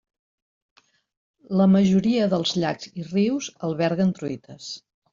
La majoria dels llacs i rius alberguen truites.